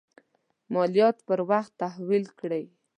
مالیات پر وخت تحویل کړي.